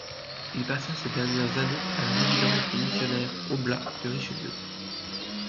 Il passa ses dernières années à la résidence des Missionnaires Oblats de Richelieu.